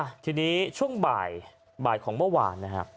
อะทีนี้ช่วงบ่ายของเมื่อวานนะครับ